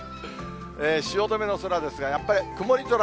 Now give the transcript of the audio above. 汐留の空ですが、やっぱり曇り空。